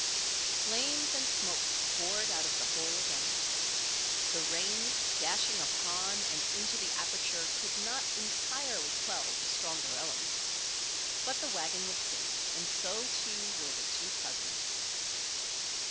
Flames and smoke poured out of the hole again. The rain dashing upon and into the aperture could not entirely quell the stronger element. But the wagon was safe, and so, too, were the two cousins.